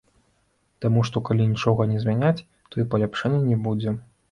Таму што калі нічога не змяняць, то і паляпшэння не будзе.